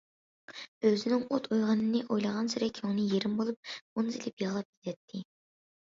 ئۆزىنىڭ ئوت ئوينىغىنىنى ئويلىغانسېرى كۆڭلى يېرىم بولۇپ، ئۈن سېلىپ يىغلاپ كېتەتتى.